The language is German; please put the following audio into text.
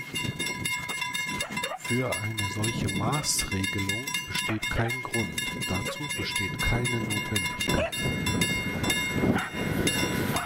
Für eine solche Maßregelung besteht kein Grund, dazu besteht keine Notwendigkeit.